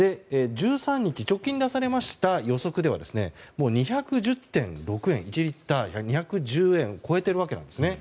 １３日、直近で出された予測では２１０．６円１リットル２１０円を超えているんですね。